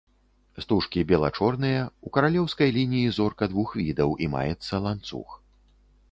Стужкі бела-чорныя, у каралеўскай лініі зорка двух відаў і маецца ланцуг.